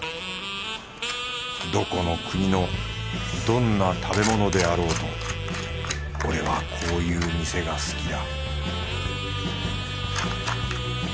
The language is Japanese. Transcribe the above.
どこの国のどんな食べ物であろうと俺はこういう店が好きだ